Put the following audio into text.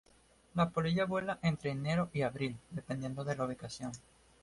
La polilla vuela entre enero y abril dependiendo de la ubicación.